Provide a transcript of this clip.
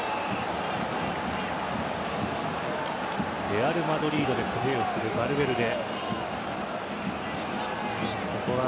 レアルマドリードでプレーをするヴァルヴェルデ。